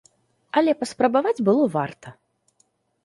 Але паспрабаваць было варта!